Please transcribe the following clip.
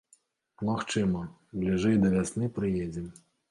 Магчыма, бліжэй да вясны прыедзем.